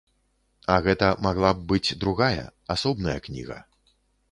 А гэта магла б быць другая, асобная кніга.